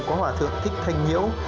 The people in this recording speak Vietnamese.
có hỏa thượng thích thanh hiếu